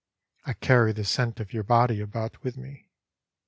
I carry the scent of your body about with me.